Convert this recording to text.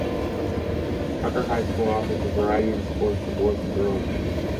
Tucker High School offers a variety in sports for girls and boys.